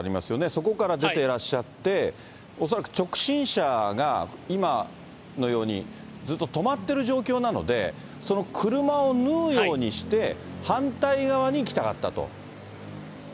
そこから出てらっしゃって、恐らく直進車が今のように、ずっと止まってる状況なので、その車を縫うように、反対側に行きたかったと。